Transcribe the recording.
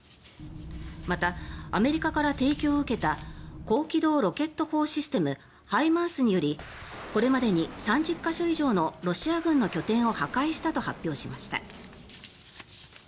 また、アメリカから提供を受けた高機動ロケット砲システムＨＩＭＡＲＳによりこれまでに３０か所以上のロシア軍の拠点を破壊したと発表しました。